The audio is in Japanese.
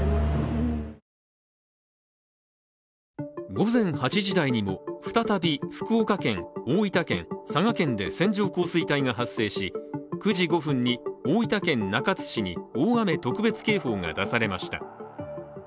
午前８時台にも再び福岡県、大分県、佐賀県で線状降水帯が発生し９時５分に大分県中津市に大雨特別警報が出されました。